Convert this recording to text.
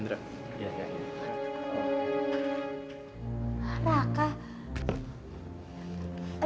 terima kasih ya